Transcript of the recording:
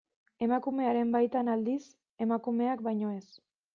Emakumeren baitan, aldiz, emakumeak baino ez.